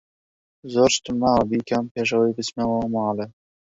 زۆر شتم ماوە بیکەم پێش ئەوەی بچمەوە ماڵێ.